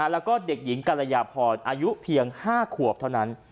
แล้วก็เด็กหญิงกรยาพรอายุเพียง๕ขวบเท่านั้น